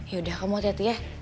yaudah kamu hati hati ya